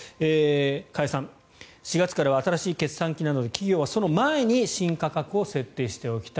加谷さん、４月からは新しい決算期なので企業はその前に新価格を設定しておきたい。